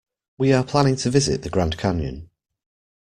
We are planning to visit the Grand Canyon.